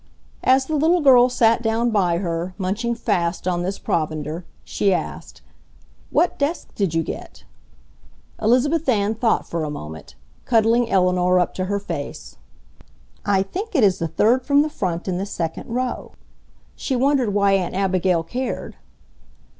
As the little girl sat down by her, munching fast on this provender, she asked: "What desk did you get?" Elizabeth Ann thought for a moment, cuddling Eleanor up to her face. "I think it is the third from the front in the second row." She wondered why Aunt Abigail cared.